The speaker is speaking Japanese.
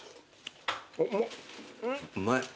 うまい。